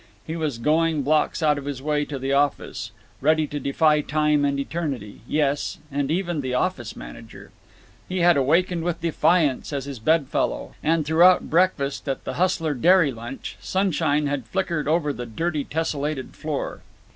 He was going blocks out of his way to the office; ready to defy time and eternity, yes, and even the office manager. He had awakened with Defiance as his bedfellow, and throughout breakfast at the hustler Dairy Lunch sunshine had flickered over the dirty tessellated floor.